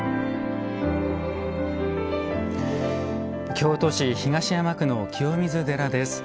京都市東山区の清水寺です。